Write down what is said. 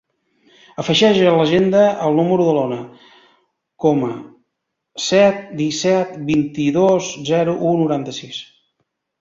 Afegeix a l'agenda el número de l'Ona Coma: set, disset, vint-i-dos, zero, u, noranta-sis.